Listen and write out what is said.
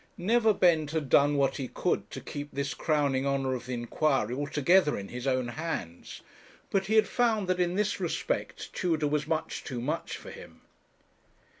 Neverbend had done what he could to keep this crowning honour of the inquiry altogether in his own hands, but he had found that in this respect Tudor was much too much for him.